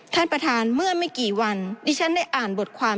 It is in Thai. ท่านประธานเมื่อไม่กี่วันดิฉันได้อ่านบทความ